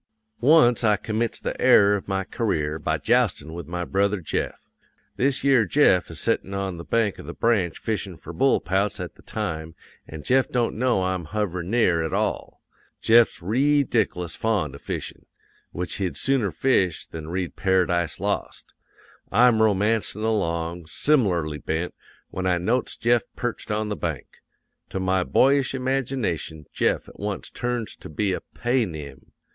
"'Once I commits the error of my career by joustin' with my brother Jeff. This yere Jeff is settin' on the bank of the Branch fishin' for bullpouts at the time, an' Jeff don't know I'm hoverin' near at all. Jeff's reedic'lous fond of fishin'; which he'd sooner fish than read Paradise Lost. I'm romancin' along, sim'larly bent, when I notes Jeff perched on the bank. To my boyish imagination Jeff at once turns to be a Paynim.